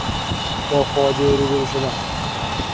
با فاجعه روبرو شدن